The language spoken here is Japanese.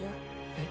えっ？